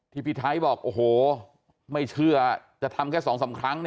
ที่พี่ไทยบอกโอ้โหไม่เชื่อจะทำแค่สองสามครั้ง